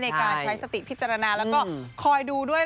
ในการใช้สติพิจารณาแล้วก็คอยดูด้วย